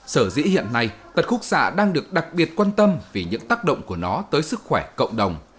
sở dĩ hiện nay tật khúc xạ đang được đặc biệt quan tâm vì những tác động của nó tới sức khỏe cộng đồng